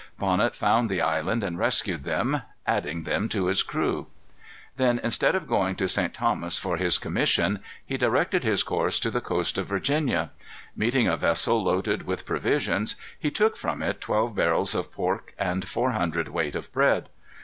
Bonnet found the island, and rescued them, adding them to his crew. Then, instead of going to St. Thomas for his commission, he directed his course to the coast of Virginia. Meeting a vessel loaded with provisions, he took from it twelve barrels of pork and four hundred weight of bread.